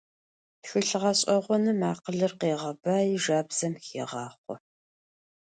Тхылъ гъэшӏэгъоным акъылыр къегъэбаи, жабзэм хегъахъо.